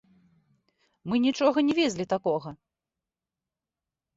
Мы нічога не везлі такога.